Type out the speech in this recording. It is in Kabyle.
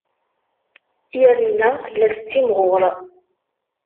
Yamina tella tettimɣur.